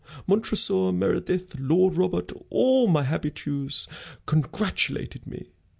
Montresor, Meredith, Lord Robert, all my habitués congratulated me.